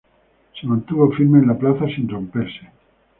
Se mantuvo firme en la plaza sin romperse.